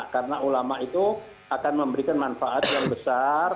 karena ulama itu akan memberikan manfaat yang besar